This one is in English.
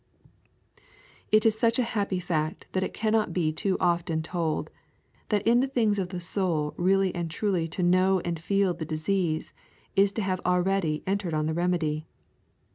It is such a happy fact that it cannot be too often told, that in the things of the soul really and truly to know and feel the disease is to have already entered on the remedy.